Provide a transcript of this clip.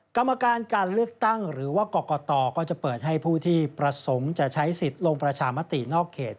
กรรมการการเลือกตั้งหรือว่ากรกตก็จะเปิดให้ผู้ที่ประสงค์จะใช้สิทธิ์ลงประชามตินอกเขต